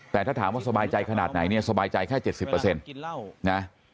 แต่ถ้าถามว่าสบายใจขนาดไหนเนี่ยสบายใจแค่เจ็ดสิบเปอร์เซ็นต์นะ